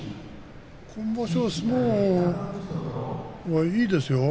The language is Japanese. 今場所は相撲、いいですよ。